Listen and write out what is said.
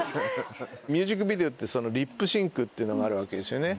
ミュージックビデオってリップシンクっていうのがあるわけですよね。